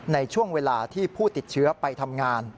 ในช่วงเวลาที่ผู้ติดเชื้อไปทำงาน